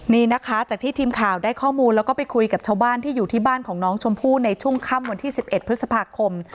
นี่นะคะจากที่ทีมข่าวได้ข้อมูลแล้วก็ไปคุยกับชาวบ้านที่อยู่ที่บ้านของน้องชมพู่ในช่วงค่ำวันที่๑๑พฤษภาคม